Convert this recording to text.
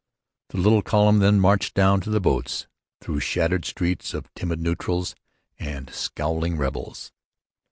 The little column then marched down to the boats through shuttered streets of timid neutrals and scowling rebels.